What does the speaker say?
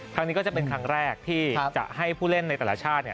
ครั้งนี้ก็จะเป็นครั้งแรกที่จะให้ผู้เล่นในแต่ละชาติ